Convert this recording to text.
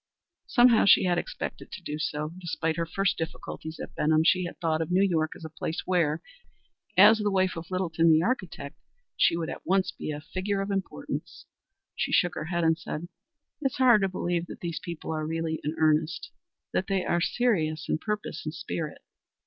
Somehow she had expected to do this, despite her first difficulties at Benham, for she had thought of New York as a place where, as the wife of Littleton, the architect, she would at once be a figure of importance. She shook her head and said, "It's hard to believe that these people are really in earnest; that they are serious in purpose and spirit."